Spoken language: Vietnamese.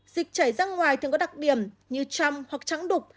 dịch chảy ra ngoài thường có đặc điểm như trong hoặc trắng đục